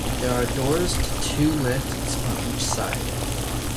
There are doors to two lifts on each side.